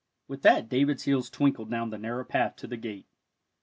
With that David's heels twinkled down the narrow path to the gate.